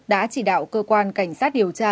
đã chỉ đạo cơ quan cảnh sát điều tra